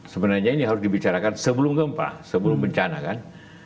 sebenarnya ini harus dibicarakan sebelum gempa sebelum bencana kan